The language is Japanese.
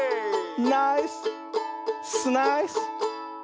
ナイススナイス！